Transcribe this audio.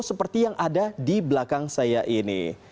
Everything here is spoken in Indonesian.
seperti yang ada di belakang saya ini